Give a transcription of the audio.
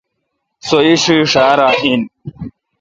سو ا ایݭی ݭار ا۔ ین